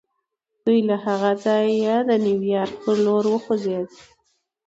دی له هغه ځایه د نیویارک پر لور وخوځېد